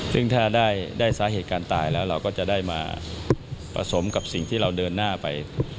ซึ่งถ้าได้สาเหตุการณ์ตายแล้วเราก็จะได้มาผสมกับสิ่งที่เราเดินหน้าไป